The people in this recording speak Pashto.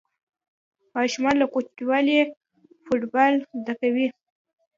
ماشومان له کوچنیوالي فوټبال زده کوي.